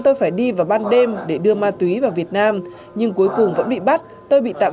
tôi phải đi vào ban đêm để đưa ma túy vào việt nam nhưng cuối cùng vẫn bị bắt tôi bị tạm